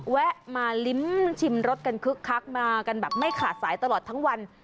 แวะมาลิ้มชิมรสกันคึกคักมากันแบบไม่ขาดสายตลอดทั้งวัน